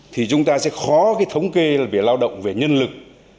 thì chúng ta sẽ khó cái thống kê là về lao động về nhân lực